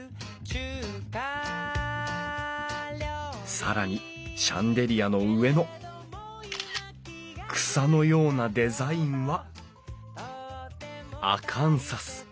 更にシャンデリアの上の草のようなデザインはアカンサス。